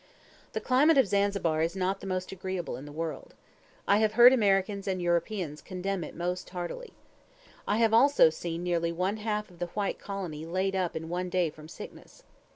The climate of Zanzibar is not the most agreeable in the world. I have heard Americans and Europeans condemn it most heartily. I have also seen nearly one half of the white colony laid up in one day from sickness.